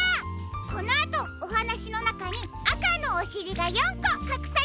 このあとおはなしのなかにあかのおしりが４こかくされているよ。